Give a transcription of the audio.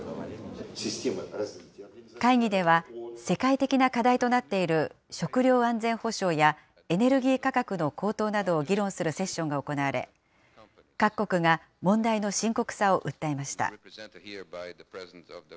会議では世界的な課題となっている食料安全保障やエネルギー価格の高騰などを議論するセッションが行われ、各国が問題の深刻さを訴えました。